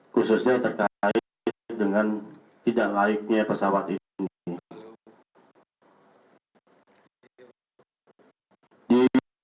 khususnya terkait dengan tidak laiknya pesawat ini